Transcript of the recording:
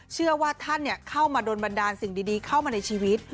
เชื่อว่าท่านเข้ามาโดนบันดาลสิ่งดีเข้ามาในชีวิต